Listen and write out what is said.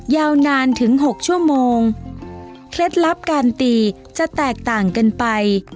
ยาวนานถึงหกชั่วโมงเคล็ดลับการตีจะแตกต่างกันไป